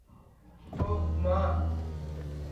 ওহ, মা।